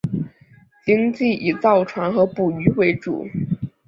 经济以造船和捕鱼为主。